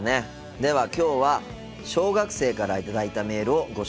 ではきょうは小学生から頂いたメールをご紹介しようと思います。